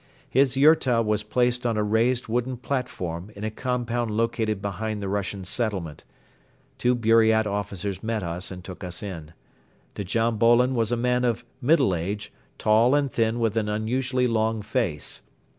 His yurta was placed on a raised wooden platform in a compound located behind the Russian settlement. Two Buriat officers met us and took us in. Djam Bolon was a man of middle age, tall and thin with an unusually long face.